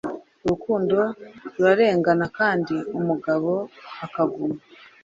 Urukundo rurarengana kandi umugabo akaguma